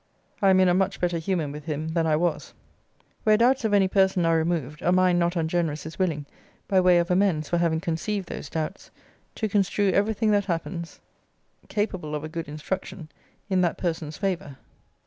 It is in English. I am in a much better humour with him than I was. Where doubts of any person are removed, a mind not ungenerous is willing, by way of amends for having conceived those doubts, to construe every thing that happens, capable of a good instruction, in that person's favour.